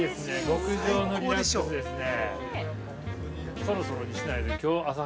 極上のリラックスですね。